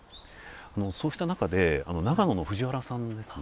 そうした中で長野の藤原さんですね。